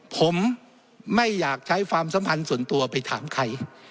ผมไม่อยากใช้ความสัมพันธ์ส่วนตัวไปถามใคร